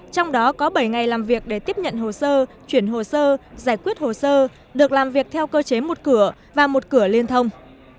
trong đó có bảy ngày làm việc để tiếp nhận hồ sơ chuyển hồ sơ giải quyết hồ sơ được làm việc theo cơ chế một cửa và một cửa liên thông